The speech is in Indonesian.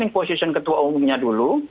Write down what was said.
ini posisi ketua umumnya dulu